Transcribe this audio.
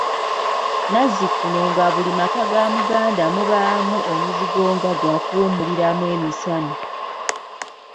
Nazzikuno nga buli maka ga Muganda mubaamu omuzigo nga gwakuwummuliramu emisana.